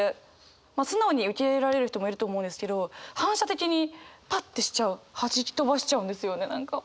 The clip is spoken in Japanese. まあ素直に受け入れられる人もいると思うんですけど反射的にパッてしちゃうはじき飛ばしちゃうんですよね何か。